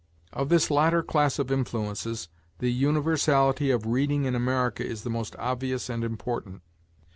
Of this latter class of influences, the universality of reading in America is the most obvious and important.